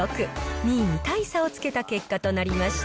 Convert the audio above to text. ２位に大差をつけた結果となりました。